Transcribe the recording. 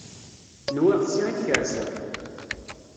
Nwiɣ fsiɣ i tkersa.